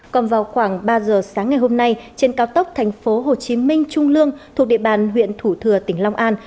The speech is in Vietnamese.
còn vào khoảng ba giờ sáng ngày hôm nay trên cao tốc thành phố hồ chí minh trung lương thuộc địa bàn huyện thủ thừa tỉnh long an